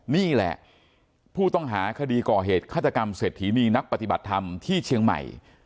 นี่แหละผู้ต้องหาคดีก่อเหตุฆาตกรรมเศรษฐีนีนักปฏิบัติธรรมที่เชียงใหม่